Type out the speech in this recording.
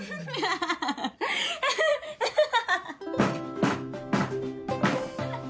ハハハハハ！